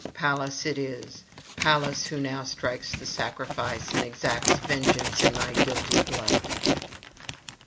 Pallas it is, Pallas who now strikes the sacrifice, and exacts vengeance in thy guilty blood.'